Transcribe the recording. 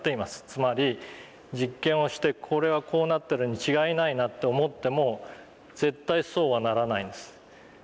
つまり実験をしてこれはこうなってるに違いないなと思っても絶対そうはならないんです。